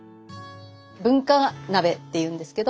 文化鍋っていうんですけど。